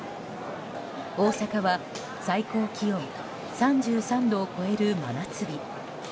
大阪は最高気温３３度を超える真夏日。